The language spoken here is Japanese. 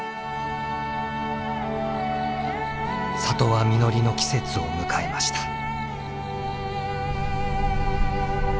里は実りの季節を迎えました。